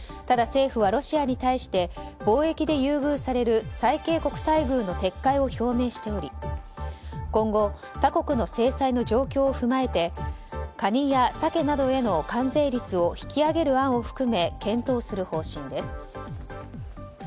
ただ政府はロシアに対して貿易で優遇される最恵国待遇の撤回を表明しており今後、他国の制裁の状況を踏まえてカニやサケなどへの関税率を引き上げる案を含め検討する方針です。